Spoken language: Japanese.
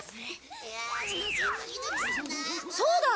そうだ！